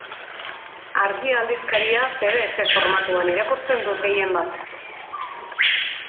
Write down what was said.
Argia aldizkaria pe de efe formatuan irakurtzen dut gehienbat.